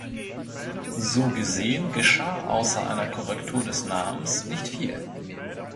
So gesehen, geschah ausser einer Korrektur des Namens nicht viel.